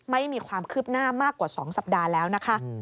ไม่มีความคืบหน้ามากกว่า๒สัปดาห์แล้วนะคะ